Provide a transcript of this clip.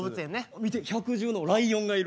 見て百獣の王ライオンがいる。